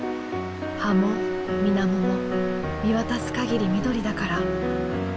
葉もみなもも見渡す限り緑だから。